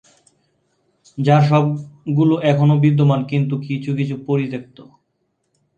যার সবগুলো এখনো বিদ্যমান, কিন্তু কিছু কিছু পরিত্যক্ত।